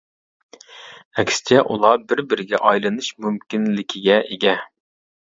ئەكسىچە، ئۇلار بىر-بىرىگە ئايلىنىش مۇمكىنلىكىگە ئىگە.